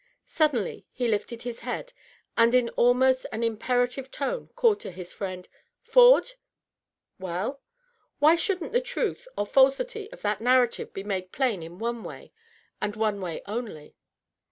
Suddenly he lifted his head, and in almost an imperative tone called to his friend, — "Ford?" «WeU?" "Why shouldn't the truth or felsity of that narrative be made plain in one way, and one way only